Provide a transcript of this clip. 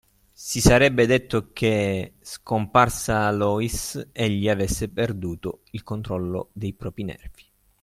si sarebbe detto che, scomparsa Loïs, egli avesse perduto il controllo dei propri nervi.